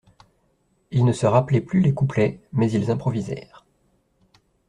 Ils ne se rappelaient plus les couplets, mais ils improvisèrent.